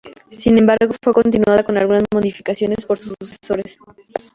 Sin embargo fue continuada con algunas modificaciones por sus sucesores.